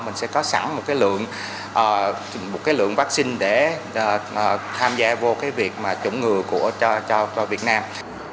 mình sẽ có sẵn một cái lượng vaccine để tham gia vô cái việc chủng ngừa cho việt nam